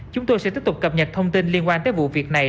chúng tôi sẽ tiếp tục cập nhật thông tin liên quan tới vụ việc này